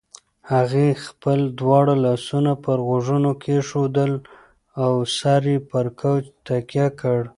هغې خپل دواړه لاسونه پر غوږونو کېښودل او سر یې پر کوچ تکیه کړ.